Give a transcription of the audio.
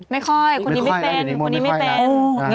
ไม่ค่อยคุณนี้ไม่เป็น